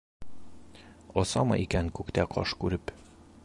Осамы икән күктә ҡош күреп